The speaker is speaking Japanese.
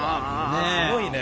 すごいね。